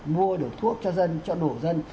mua được thuốc cho dân cho đủ dân